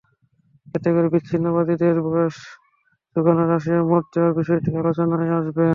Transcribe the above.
এতে করে বিচ্ছিন্নতাবাদীদের রসদ জোগানোয় রাশিয়ার মদদ দেওয়ার বিষয়টিও আলোচনায় আসবে।